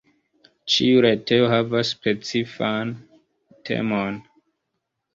Ĉiu retejo havas specifan temon.